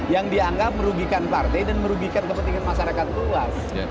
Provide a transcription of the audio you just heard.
yang dianggap merugikan partai dan merugikan kepentingan masyarakat luas